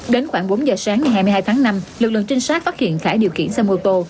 đến khoảng bốn giờ sáng ngày hai mươi hai tháng năm lực lượng trinh sát phát hiện khải điều khiển xe mô tô